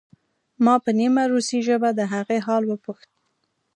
ما په نیمه روسۍ ژبه د هغې حال وپوښت